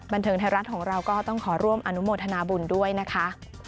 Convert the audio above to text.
บันเทิงไทยรัฐของเราก็ต้องขอร่วมอนุโมทนาบุญด้วยนะคะ